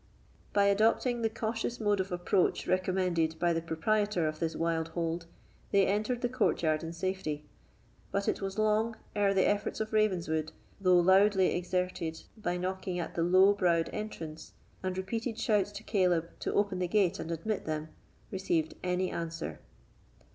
By adopting the cautious mode of approach recommended by the proprietor of this wild hold, they entered the courtyard in safety. But it was long ere the efforts of Ravenswood, though loudly exerted by knocking at the low browed entrance, and repeated shouts to Caleb to open the gate and admit them, received any answer.